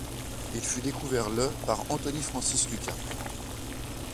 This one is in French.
Il fut découvert le par Anthony Francis Lucas.